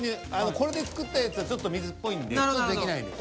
これで作ったやつはちょっと水っぽいんで出来ないのよ。